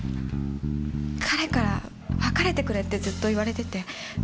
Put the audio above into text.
彼から別れてくれってずっと言われてて。